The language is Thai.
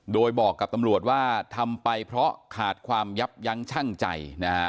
โดยบอกกับตำรวจว่าทำไปเพราะขาดความยับยั้งชั่งใจนะฮะ